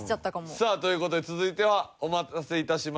さあという事で続いてはお待たせ致しました。